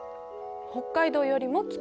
北海道よりも北。